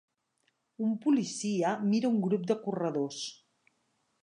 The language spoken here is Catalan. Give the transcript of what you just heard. Un policia mira un grup de corredors.